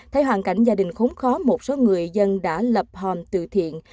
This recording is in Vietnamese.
thay hoàn cảnh gia đình khốn khó một số người dân đã lập hòn tự thiện